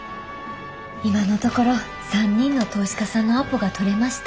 今のところ３人の投資家さんのアポが取れました。